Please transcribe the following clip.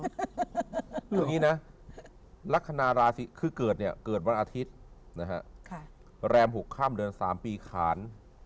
คืออย่างนี้นะลักษณะราศีคือเกิดเนี่ยเกิดวันอาทิตย์นะฮะแรม๖ข้ามเดือน๓ปีขาน